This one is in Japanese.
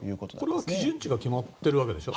これは基準値が決まっているわけでしょ。